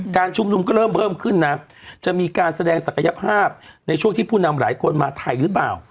การชุมนุมก็เริ่มเพิ่มขึ้นนะจะมีการแสดงศักยภาพในช่วงที่ผู้นำหลายคนมาไทยหรือเปล่า